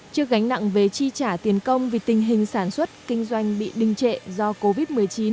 trước gánh nặng về chi trả tiền công vì tình hình sản xuất kinh doanh bị đình trệ do covid một mươi chín